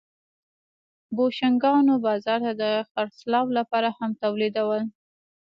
بوشونګانو بازار ته د خرڅلاو لپاره هم تولیدول